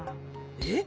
えっ？